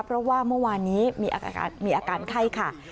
เพราะว่าเมื่อวานนี้มีอาการไข้ค่ะ